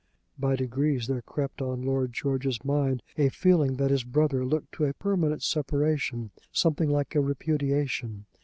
By degrees there crept on Lord George's mind a feeling that his brother looked to a permanent separation, something like a repudiation.